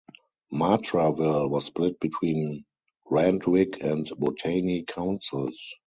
Matraville was split between Randwick and Botany Councils.